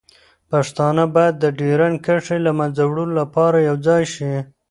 پښتانه باید د ډیورنډ کرښې له منځه وړلو لپاره یوځای شي.